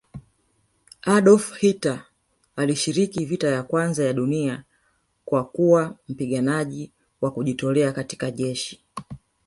Adolf Hilter alishiriki vita ya kwanza ya dunia kwakuwa mpiganaji Wa kujitolea katika jeshi